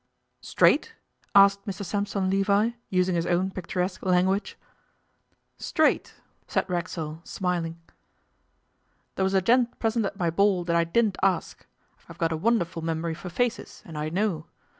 'Straight?' asked Mr Sampson Levi, using his own picturesque language. 'Straight,' said Racksole smiling. 'There was a gent present at my ball that I didn't ask. I've got a wonderful memory for faces, and I know.